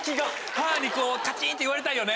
ハーにカチン！って言われたいよね？